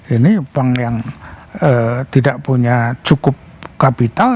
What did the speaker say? ini bank yang tidak punya cukup kapital